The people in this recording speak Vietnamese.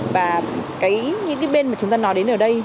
và những cái bên mà chúng ta nói đến ở đây